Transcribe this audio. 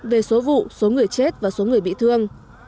về số vụ số người chết và số người bị thương